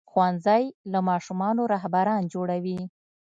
ښوونځی له ماشومانو رهبران جوړوي.